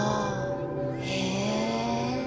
へえ。